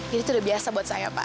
jadi itu udah biasa buat saya pak